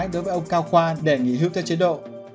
đề nghị hước theo chế độ